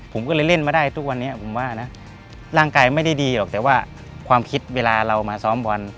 ผมก็เลยเล่นมาได้ทุกวันนี้ผมว่านะร่างกายไม่ได้ดีหรอกแต่ว่าความคิดเวลาเรามาซ้อมบอล